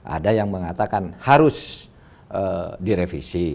ada yang mengatakan harus direvisi